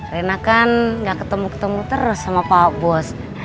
rena kan nggak ketemu ketemu terus sama pak bos